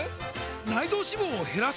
内臓脂肪を減らす！？